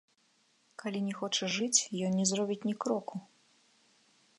Калі не хоча жыць, ён не зробіць ні кроку!